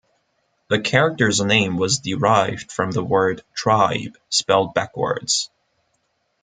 The character's name was derived from the word Tribe spelled backwards.